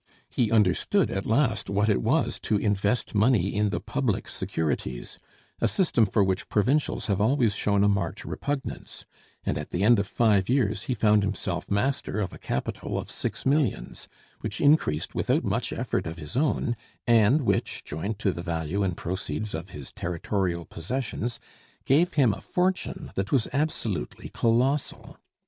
He understood at last what it was to invest money in the public securities, a system for which provincials have always shown a marked repugnance, and at the end of five years he found himself master of a capital of six millions, which increased without much effort of his own, and which, joined to the value and proceeds of his territorial possessions, gave him a fortune that was absolutely colossal.